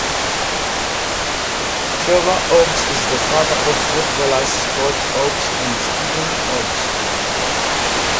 Trevor Oakes is the father of footballers Scott Oakes and Stefan Oakes.